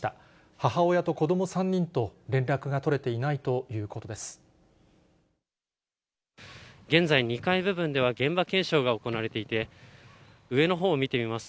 母親と子ども３人と連絡が取れていないということです。